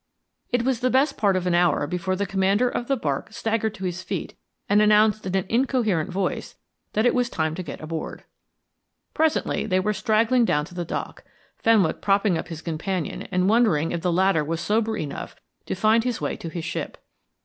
It was the best part of an hour before the commander of the barque staggered to his feet and announced in an incoherent voice that it was time to get aboard. Presently they were straggling down to the dock, Fenwick propping up his companion and wondering if the latter was sober enough to find his way to his ship.